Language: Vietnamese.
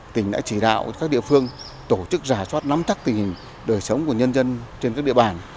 tỉnh đã chỉ đạo các địa phương tổ chức giả soát nắm chắc tình hình đời sống của nhân dân trên các địa bàn